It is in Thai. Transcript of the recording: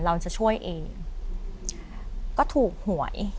เราจะช่วยเองก็ถูกหวย